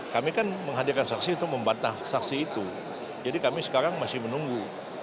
kami kan menghadirkan saksi untuk membantah saksi itu jadi kami sekarang masih menunggu